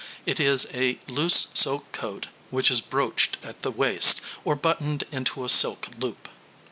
It is a loose silk coat, which is brooched at the waist, or buttoned into a silk loop.